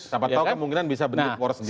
siapa tahu kemungkinan bisa bentuk poros sendiri